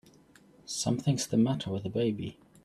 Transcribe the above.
Something's the matter with the baby!